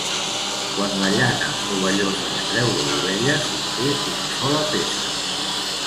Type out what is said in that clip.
Quan la llana o velló s'extreu de l'ovella s'obté una sola peça.